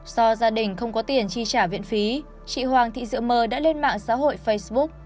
do gia đình không có tiền chi trả viện phí chị hoàng thị diệu mờ đã lên mạng xã hội facebook